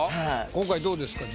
今回どうですか？